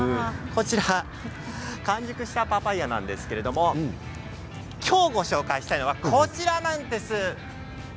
こちら完熟したパパイヤなんですけれども今日、ご紹介したいのはこちらなんです。